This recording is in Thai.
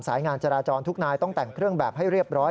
สายงานจราจรทุกนายต้องแต่งเครื่องแบบให้เรียบร้อย